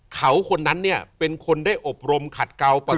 เขาคนนั้นเนี่ยเป็นคนได้อบรมขัดเกาปกติ